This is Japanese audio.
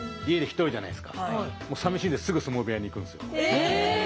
え！